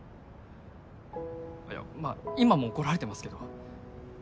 いやまあ今も怒られてますけど。